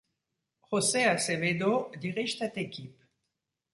José Azevedo dirige cette équipe.